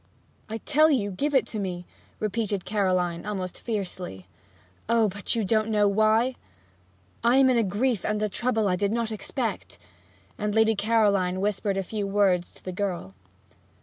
'I tell you give it to me!' repeated Caroline, almost fiercely. 'Oh but you don't know why? I am in a grief and a trouble I did not expect!' And Lady Caroline whispered a few words to the girl.